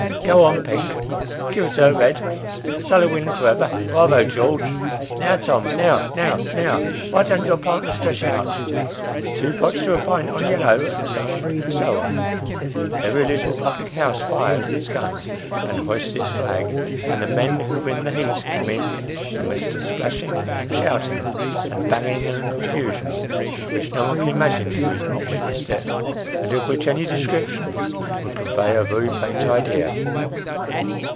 " Go on, Pink "" Give it her, Eed "" Sulliwin for ever "" Bravo ! George "" Now, Tom, now now now why don't your partner stretch out ?"" Two pots to a pint on Yellow," &c., &c. Every little public house fires its gun, and hoists its flag ; and the men who win the heat, come in, amidst a splashing and shouting, and banging and confusion, which no one can imagine who has not witnessed it, and of which any description would convey a very faint idea.